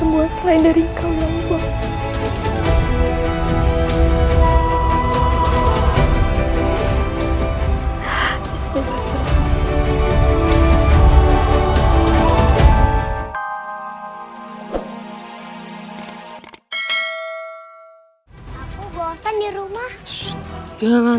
barang berharga kalian